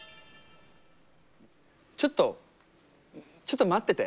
ちょっとちょっと待ってて。